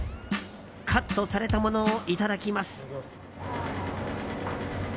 カットされたものをいただきます。